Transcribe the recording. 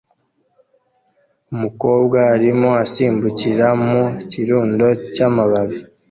Umukobwa arimo asimbukira mu kirundo cy'amababi